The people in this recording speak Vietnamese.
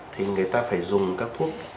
thì người ta phải dùng các thuốc